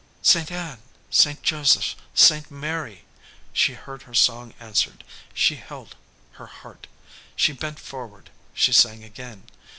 "Saint Ann! Saint Joseph! Saint Mary!" She heard her song answered! She held her heart, she bent forward, she sang again.